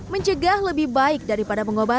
mencegah lebih baik daripada penyelamat jantung